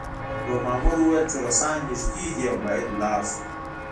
یوه مامور وویل چې روسان نږدې دي او باید لاړ شو